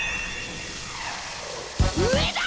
上だ！